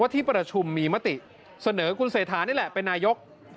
ที่ประชุมมีมติเสนอคุณเศรษฐานี่แหละเป็นนายก